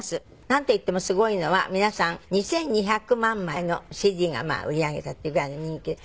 なんといってもすごいのは皆さん２２００万枚のＣＤが売り上げたっていうぐらいの人気で。